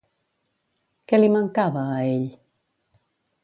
Què li mancava, a ell?